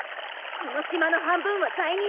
この島の半分は罪人！